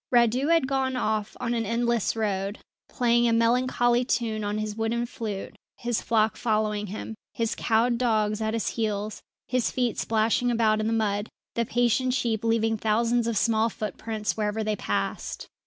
Radu had gone off on an endless road, playing a melancholy tune on his wooden flute, his flock following him, his cowed dogs at his heels, his feet splashing about in the mud, the patient sheep leaving thousands of small footprints wherever they passed.